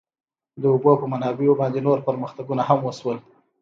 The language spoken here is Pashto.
د اوبو په منابعو باندې نور پرمختګونه هم وشول.